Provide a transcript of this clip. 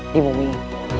di bumi ini